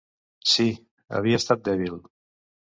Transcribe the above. Sí, havia estat dèbil.